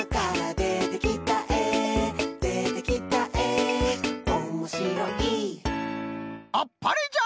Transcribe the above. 「でてきたえおもしろい」あっぱれじゃ！